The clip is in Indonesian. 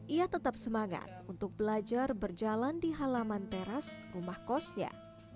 ia tetap semangat untuk belajar berjalan di halaman teras rumah kosnya